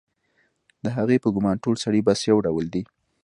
د هغې په ګومان ټول سړي بس یو ډول دي